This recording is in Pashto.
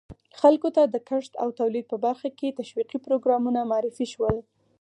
خلکو ته د کښت او تولید په برخه کې تشویقي پروګرامونه معرفي شول.